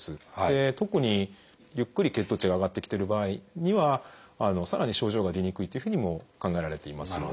特にゆっくり血糖値が上がってきてる場合にはさらに症状が出にくいというふうにも考えられています。